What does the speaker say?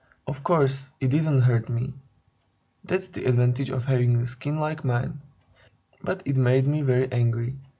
Of course, it didn't hurt me that's the advantage of having a skin like mine; but it made me very angry.